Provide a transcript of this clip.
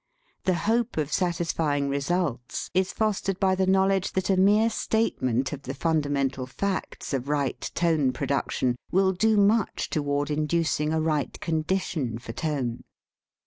The hope of satisfying results is fostered by the knowl edge that a mere statement of the funda mental facts of right tone production will do much toward inducing a right condition for tone.